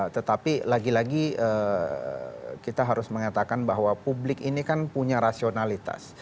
tetapi lagi lagi kita harus mengatakan bahwa publik ini kan punya rasionalitas